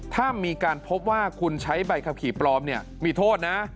ถ้ามีการพบว่าคุณใช้ใบขับขี่ปลอมเนี่ยมีโทษนะ